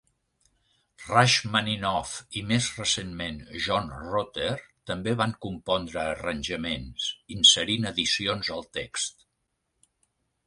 Rachmaninoff i, més recentment, John Rutter també van compondre arranjaments, inserint adicions al text.